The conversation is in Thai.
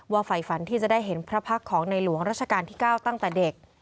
ไฟฝันที่จะได้เห็นพระพักษ์ของในหลวงราชการที่๙ตั้งแต่เด็ก